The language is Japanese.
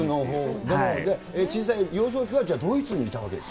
でも、小さい、幼少期にはじゃあ、ドイツにいたわけですか。